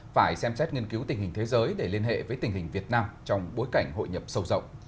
phải xem xét nghiên cứu tình hình thế giới để liên hệ với tình hình việt nam trong bối cảnh hội nhập sâu rộng